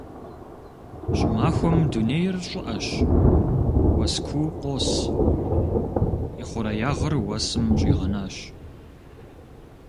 ЩӀымахуэм дунейр щӀыӀэщ, уэс куу къос, ихъуреягъыр уэсым щӀигъэнащ.